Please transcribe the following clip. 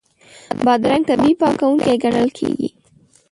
بادرنګ طبیعي پاکوونکی ګڼل کېږي.